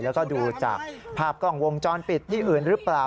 แล้วก็ดูจากภาพกล้องวงจรปิดที่อื่นหรือเปล่า